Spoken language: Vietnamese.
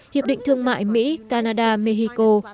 hiệp định thương mại mỹ canada mexico